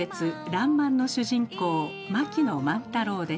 「らんまん」の主人公槙野万太郎です。